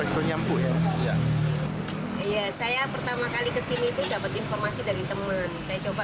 enak bernyambuk ya iya saya pertama kali ke sini itu dapet informasi dari temen saya coba